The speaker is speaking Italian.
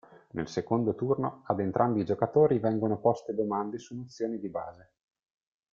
Nel secondo turno, ad entrambi i giocatori vengono poste domande su nozioni di base.